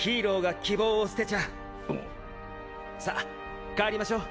っ！さ帰りましょう。